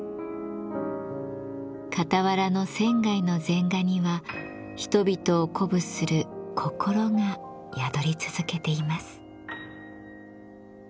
傍らの仙の禅画には人々を鼓舞する心が宿り続けています。